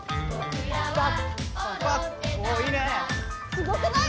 すごくない？